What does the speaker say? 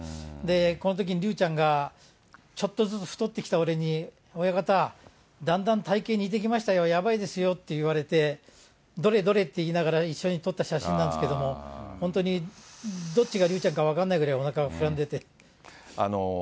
このときに竜ちゃんが、ちょっとずつ太ってきた俺に、親方、だんだん体形似てきましたよ、やばいですよって言われて、どれどれって言いながら、一緒に撮った写真なんですけども、本当に、どっちが竜ちゃんか分かんないぐらい、おなかが膨らんでて。